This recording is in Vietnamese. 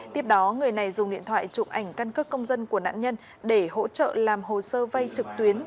tiếp đó người này dùng điện thoại trụ ảnh căn cước công dân của nạn nhân để hỗ trợ làm hồ sơ vay trực tuyến